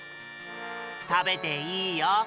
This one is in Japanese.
たべていいよ。